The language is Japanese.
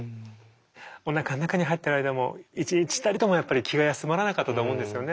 おなかの中に入ってる間も一日たりともやっぱり気が休まらなかったと思うんですよね。